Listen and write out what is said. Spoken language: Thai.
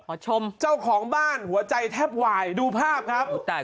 ชมเจ้าของบ้านหัวใจแทบวายดูภาพครับ